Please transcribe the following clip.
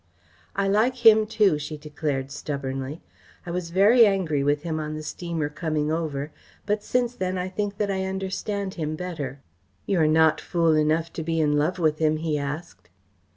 "I like him too," she declared stubbornly. "I was very angry with him on the steamer coming over, but since then I think that I understand him better." "You are not fool enough to be in love with him?" he asked.